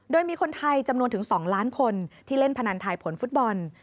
โดยมีคนไทยจำนวนถึง๒ล้านคนที่เล่นพนันทายผลฟุตบอล